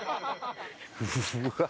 うわっ。